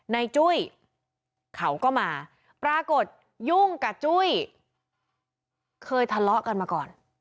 จุ้ยเขาก็มาปรากฏยุ่งกับจุ้ยเคยทะเลาะกันมาก่อน